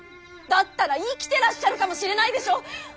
だったら生きてらっしゃるかもしれないでしょう。